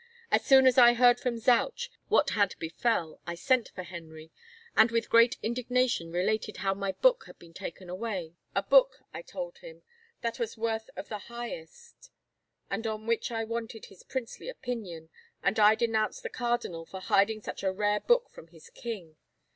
" As soon as I heard from Zouch what had befell, I sent for Henry, and with great indignation related how my book had been taken away, a book, I told him, that was worthy of the highest, and on which I wanted his princely opinion, and I denounced the cardinal for hiding such a rare book from his king.